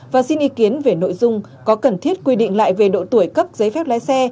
và xin ý kiến về nội dung có cần thiết quy định lại về độ tuổi cấp giấy phép lái xe